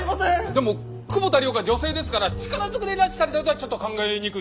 でも久保田涼子は女性ですから力ずくで拉致されたとはちょっと考えにくいです。